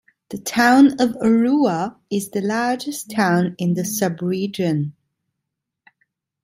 The town of Arua, is the largest town in the sub-region.